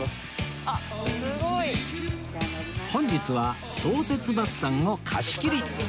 本日は相鉄バスさんを貸し切り！